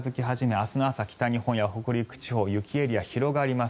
明日の朝、北日本や北陸地方雪エリア、広がります。